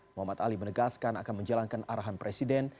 muhammad ali menegaskan akan menjalankan arahan presiden